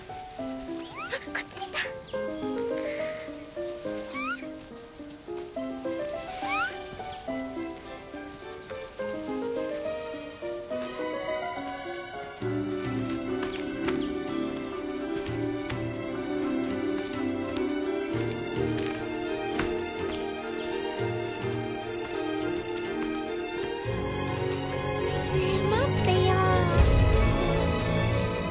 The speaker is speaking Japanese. あっこっち見た。ねえ待ってよ。